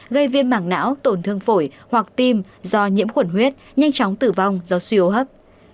gây viêm mảng não tổn thương phổi hoặc tim do nhiễm khuẩn huyết nhanh chóng tử vong do suy hô hấp